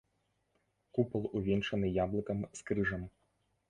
Купал увенчаны яблыкам з крыжам.